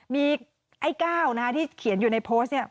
มีไอ้ก้าวที่เขียนอยู่ในโพสต์นี้